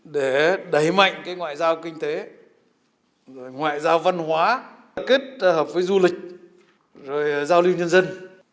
để đẩy mạnh cái ngoại giao kinh tế ngoại giao văn hóa kết hợp với du lịch rồi giao lưu nhân dân